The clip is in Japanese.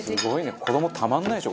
子どもたまんないでしょ